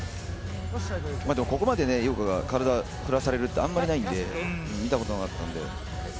ここまで井岡が体を振らされるってあんまりないんで見たことなかったんで。